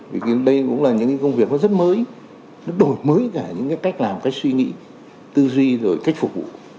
vì đây cũng là những cái công việc nó rất mới nó đổi mới cả những cái cách làm cách suy nghĩ tư duy rồi cách phục vụ